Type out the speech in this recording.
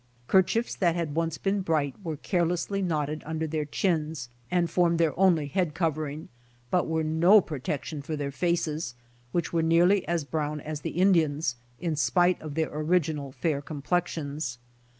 Kerchiefs that had once been bright were carelessly knotted under their chins and formed their only head cov ering but were no protection for their faces, which were nearly as brown as the Indians', in spite of their original fair complexions.